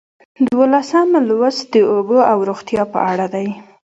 دولسم لوست د لوبو او روغتیا په اړه دی.